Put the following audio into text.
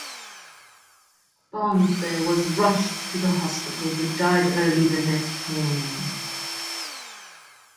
Ponce was rushed to the hospital but died early the next morning.